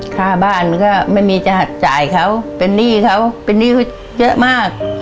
ค่าบ้านก็ไม่มีจะหักจ่ายเขาเป็นหนี้เขาเป็นหนี้เขาเยอะมาก